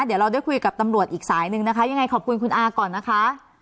เดี๋ยวเราได้คุยกับตำรวจอีกสายหนึ่งนะคะยังไงขอบคุณคุณอาก่อนนะคะ